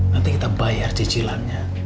nanti kita bayar cicilannya